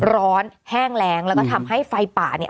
แห้งแรงแล้วก็ทำให้ไฟป่าเนี่ย